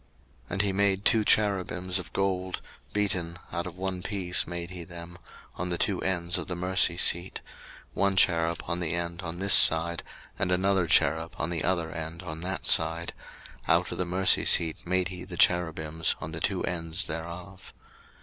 02:037:007 And he made two cherubims of gold, beaten out of one piece made he them, on the two ends of the mercy seat; 02:037:008 One cherub on the end on this side, and another cherub on the other end on that side: out of the mercy seat made he the cherubims on the two ends thereof.